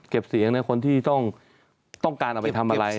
เสียงในคนที่ต้องการเอาไปทำอะไร